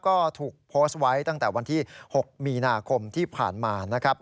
ก็ถูกโพสต์ไว้ตั้งแต่วันที่๖มีนาคมที่ผ่านมานะครับ